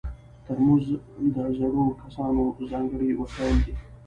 ترموز د زړو کسانو ځانګړی وسایل دي.